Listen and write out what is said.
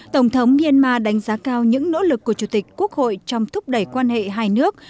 tổng thống myanmar đánh giá cao những nỗ lực của chủ tịch quốc hội trong thúc đẩy quan hệ hai nước